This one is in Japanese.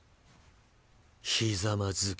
ひざまずけ。